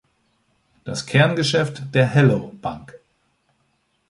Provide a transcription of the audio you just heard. Das Kerngeschäft der Hello bank!